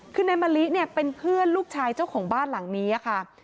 คือนายมะลิเนี่ยเป็นเพื่อนลูกชายเจ้าของบ้านหลังนี้ค่ะ